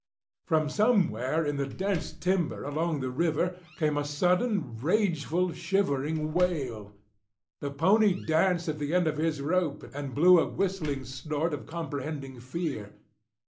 From somewhere in the dense timber along the river came a sudden, rageful, shivering wail. The pony danced at the end of his rope and blew a whistling snort of comprehending fear.